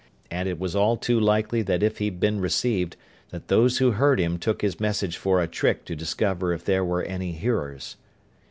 And it was all too likely that if he'd been received, that those who heard him took his message for a trick to discover if there were any hearers.